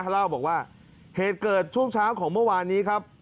เล่าบอกว่าเหตุเกิดช่วงเช้าของเมื่อวานนี้ครับ